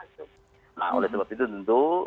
nah oleh sebab itu tentu